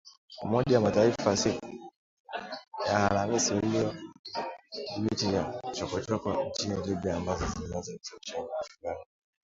Umoja wa Mataifa, siku ya Alhamisi ,ulionya dhidi ya “chokochoko” nchini Libya ambazo zinaweza kusababisha mapigano